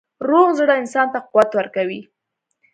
روغ زړه انسان ته قوت ورکوي.